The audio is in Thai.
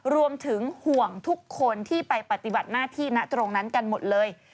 รวมถึงห่วงทุกคนที่ไปปฏิบัติหน้าที่ณตรงนั้นกันหมดเลย